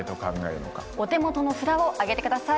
お手元の札を挙げてください。